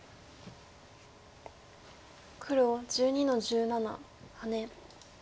黒１２の十七ハネ。